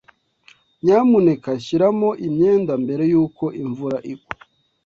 Nyamuneka shyiramo imyenda mbere yuko imvura igwa.